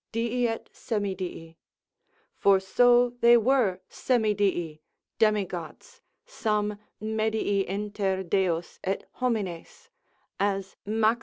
dii et Semi dii. For so they were Semi dii, demigods, some medii inter Deos et homines, as Max.